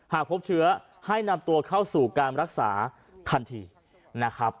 หากพบเชื้อให้นำตัวเข้าสู่การรักษาทันทีนะครับ